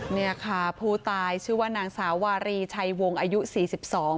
เนี่ยค่ะผู้ตายชื่อว่านางสาววารีชัยวงอายุสี่สิบสอง